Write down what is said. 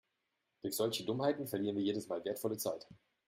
Durch solche Dummheiten verlieren wir jedes Mal wertvolle Zeit.